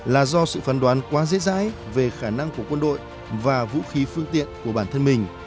là do sự phán đoán quá dễ dãi về khả năng của quân đội và vũ khí phương tiện của bản thân mình